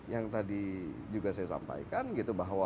yang tadi juga saya sampaikan gitu bahwa